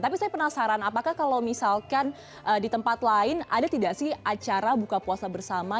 tapi saya penasaran apakah kalau misalkan di tempat lain ada tidak sih acara buka puasa bersama